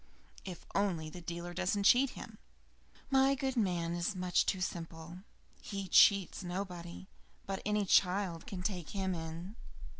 "If only the dealer does not cheat him. My good man is much too simple; he cheats nobody, but any child can take him in.